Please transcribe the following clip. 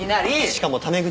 しかもタメ口。